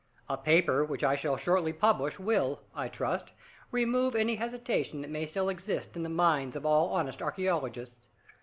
A paper which I shall shortly publish will, I trust, remove any hesitation that may still exist in the minds of all honest archaeologists.